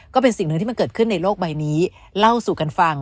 ก็เป็นสิ่งหนึ่งที่มันเกิดขึ้นในโลกใบนี้เล่าสู่กันฟัง